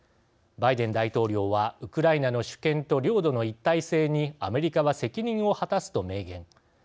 バイデン大統領はウクライナの主権と領土の一体性にアメリカは責任を果たすと明言。